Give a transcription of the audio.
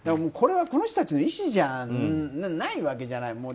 これはこの人たちの意思じゃないわけじゃない。